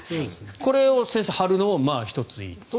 これを先生張るのも１ついいと。